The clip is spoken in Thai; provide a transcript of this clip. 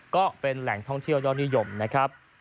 ก็เป็นแหล่งท่องเที่ยวยอดนิยมนะครับ